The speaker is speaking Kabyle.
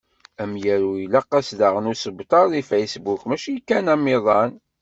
Amyaru ilaq-as daɣen usebter deg Facebook, mačči kan amiḍan.